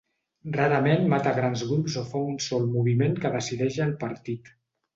Rarament mata a grans grups o fa un sol moviment que decideix el partit.